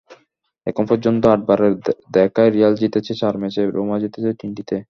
এখন পর্যন্ত আটবারের দেখায় রিয়াল জিতেছে চার ম্যাচে, রোমা জিতেছে তিনটিতে।